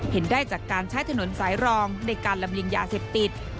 เห็นได้จากการใช้ถนนสายรองในการลำเลียงยาเสพติด